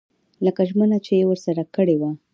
لکه ژمنه چې یې ورسره کړې وه.